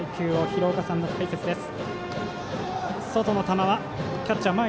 廣岡さんの解説です。